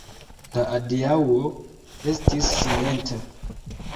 La adiaŭo estis silenta.